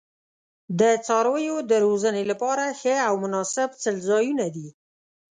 د څارویو د روزنې لپاره ښه او مناسب څړځایونه دي.